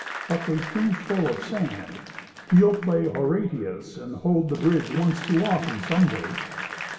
Buckley's too full of sand. He'll play Horatius and hold the bridge once too often some day."